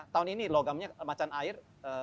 tahun ini logamnya macan air